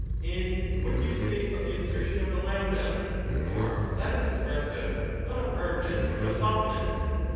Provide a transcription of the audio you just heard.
And what do you say of the insertion of the A? for that is expressive not of hardness but of softness.